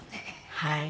はい。